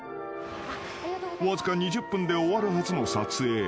［わずか２０分で終わるはずの撮影］